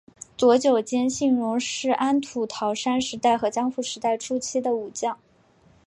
佐久间信荣是安土桃山时代和江户时代初期的武将。